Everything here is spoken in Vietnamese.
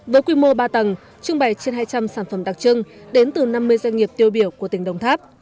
với quy mô ba tầng trưng bày trên hai trăm linh sản phẩm đặc trưng đến từ năm mươi doanh nghiệp tiêu biểu của tỉnh đồng tháp